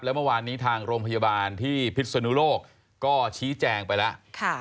แล้วเมื่อวานนี้ทางโรงพยาบาลที่พิศนุโลกก็ชี้แจงไปแล้ว